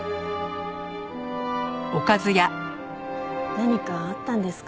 何かあったんですか？